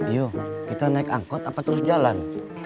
yuk kita naik angkot apa terus jalan